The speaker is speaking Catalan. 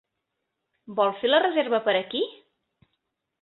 Vol fer la reserva per aquí?